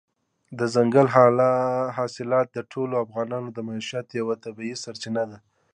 دځنګل حاصلات د ټولو افغانانو د معیشت یوه طبیعي سرچینه ده.